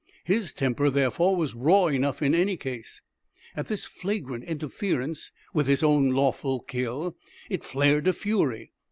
His temper, therefore, was raw enough in any case. At this flagrant interference with his own lawful kill, it flared to fury.